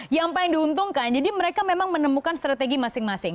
yang paling diuntungkan jadi mereka memang menemukan strategi masing masing